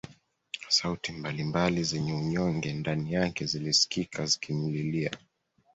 Sauti mbali mbali zenye unyonge ndani yake zilisikika zikimlilia